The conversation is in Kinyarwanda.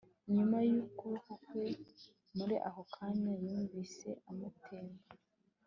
inyuma y'ukuboko kwe. muri ako kanya, yumvise amutemba